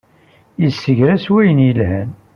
Yessegra s wayen yelhan